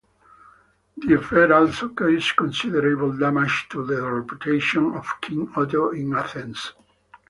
The affair also caused considerable damage to the reputation of King Otto in Athens.